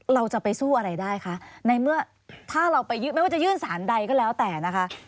เราจะไปสู้อะไรได้คะในเมื่อถ้าเราไปยื่นไม่ว่าจะยื่นสารใดก็แล้วแต่นะคะ